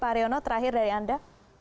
pak haryono terakhir dari anda